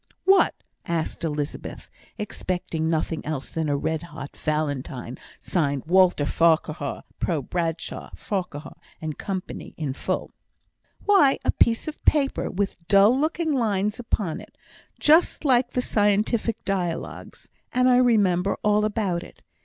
"What?" asked Elizabeth, expecting nothing less than a red hot Valentine, signed Walter Farquhar, pro Bradshaw, Farquhar, and Co., in full. "Why, a piece of paper, with dull looking lines upon it, just like the scientific dialogues; and I remembered all about it.